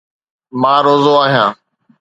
مان روزو آهيان